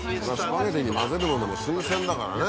スパゲティに交ぜるのでも新鮮だからね。